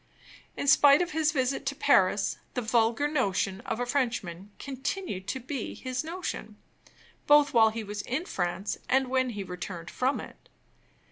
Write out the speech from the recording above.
In spite of his visit to Paris, the vulgar notion of a Frenchman continued to be his notion, both while he was in France and when he returned from it.